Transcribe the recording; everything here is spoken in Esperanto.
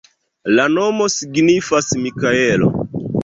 La nomo signifas Mikaelo.